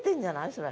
それ。